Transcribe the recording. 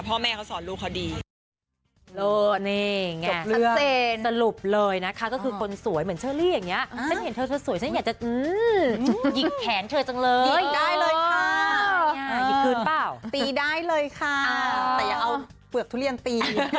พ่อแม่เขาสอนลูกเขาดี